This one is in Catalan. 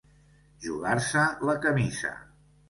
Jugar-se la camisa.